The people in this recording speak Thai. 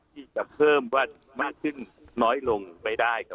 ที่จะเพิ่มว่ามากขึ้นน้อยลงไปได้ครับ